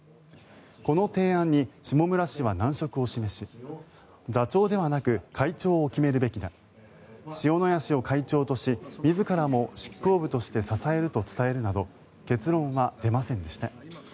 この提案に下村氏は難色を示し座長ではなく会長を決めるべきだ塩谷氏を会長とし自らも執行部として支えると伝えるなど結論は出ませんでした。